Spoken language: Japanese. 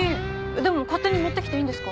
でも勝手に持ってきていいんですか？